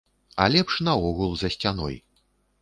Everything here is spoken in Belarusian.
А лепш наогул за сцяной.